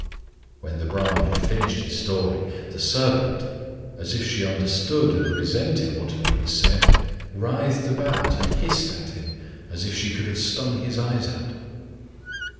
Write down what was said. When the Bramin had finished his story, the serpent, as if she understood and resented what had been said, writhed about and hissed at him as if she could have stung his eyes out.